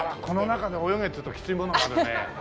この中で泳げっていうときついものがあるね。